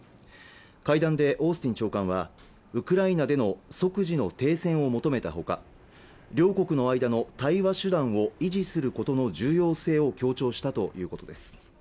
会談でオースティン長官はウクライナでの即時の停戦を求めたほか両国の間の対話手段を維持することの重要性を強調したということです